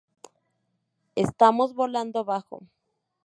Estamos volando bajo.